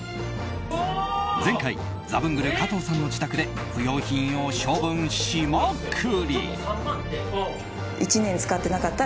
前回ザブングル加藤さんの自宅で不用品を処分しまくり。